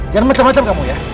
jangan macam macam kamu ya